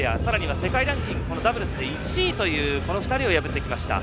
世界ランキングダブルスで１位という２人を破ってきました。